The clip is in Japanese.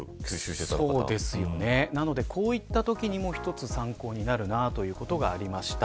こういったときにも一つ参考になるなということがありました。